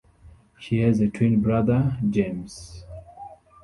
She has a twin brother, James.